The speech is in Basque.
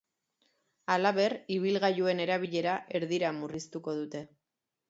Halaber, ibilgailuen erabilera erdira murriztuko dute.